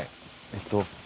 えっと